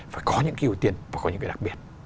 phải có những cái ưu tiên và có những cái đặc biệt